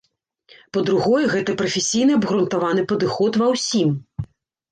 Па-другое, гэта прафесійны абгрунтаваны падыход ва ўсім.